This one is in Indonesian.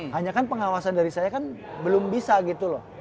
hanya kan pengawasan dari saya kan belum bisa gitu loh